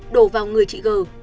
đổ vào người chị gờ